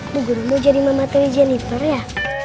bu gurum mau jadi mama dari jennifer ya